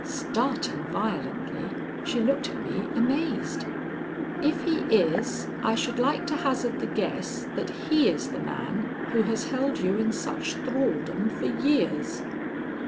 Starting violently, she looked at me amazed. "If he is, I should like to hazard the guess that he is the man who has held you in such thraldom for years."